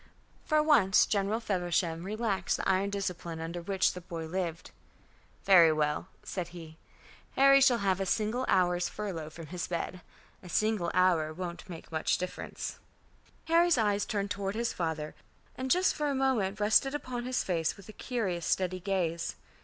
For once General Feversham relaxed the iron discipline under which the boy lived. "Very well," said he. "Harry shall have an hour's furlough from his bed. A single hour won't make much difference." Harry's eyes turned toward his father, and just for a moment rested upon his face with a curious steady gaze.